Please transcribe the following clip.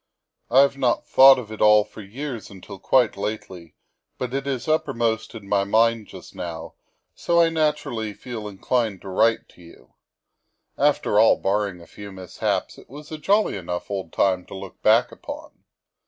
I have not thought of it all for years until quite lately, but it is uppermost in my mind just now, so I naturally feel inclined to write to you. After all, barring a few mishaps, it was a jolly enough old time to look back upon.